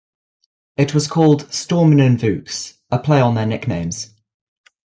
It was called "Stormin' and Vuke's", a play on their nicknames.